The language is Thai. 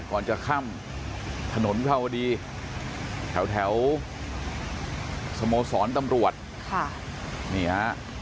ก่อนจะข้ามถนนวิภาวดีแถวสโมสรตำรวจค่ะนี่ฮะ